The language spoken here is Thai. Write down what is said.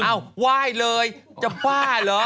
ไหว้เลยจะบ้าเหรอ